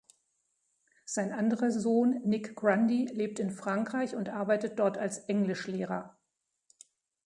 Sein anderer Sohn Nick Grundy lebt in Frankreich und arbeitet dort als Englischlehrer.